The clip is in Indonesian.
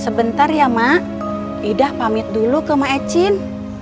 sebentar ya mak ida pamit dulu ke mak ecin